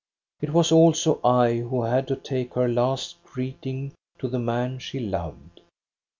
It was also I who had to take her last greeting to the man she loved.